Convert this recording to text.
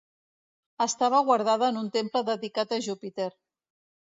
Estava guardada en un temple dedicat a Júpiter.